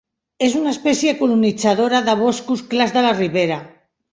És una espècie colonitzadora de boscos clars de la ribera.